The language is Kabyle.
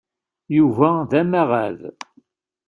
Yuba d amaɣad.